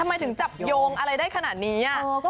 ทำไมถึงจับโยงอะไรได้ขนาดนี้